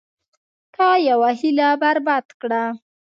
تا یوه هیله برباد کړه.